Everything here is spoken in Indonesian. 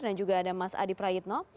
dan juga ada mas adi prayitno